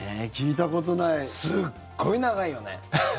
すごい長いよね。